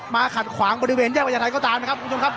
ขัดขวางบริเวณแยกประยาทัยก็ตามนะครับคุณผู้ชมครับ